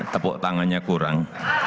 tepuk tangannya kurang